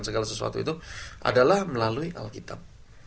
segala sesuatu itu adalah melalui alkitab